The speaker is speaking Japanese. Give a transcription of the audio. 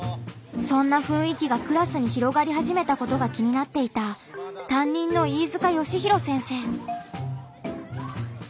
そんなふんい気がクラスに広がりはじめたことが気になっていた担任の飯塚喜大先生。